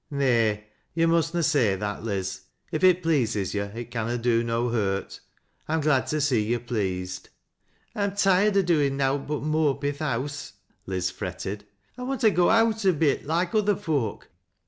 ■' Nay, yo' must na say that, Liz. If it pleases yo' it conna do no hurt ; I'm glad to see yo' pleased." " I'm tired o' doin' nowt but mope i' tli' house," Liz fretted. " I want to go out a bit loike other foak.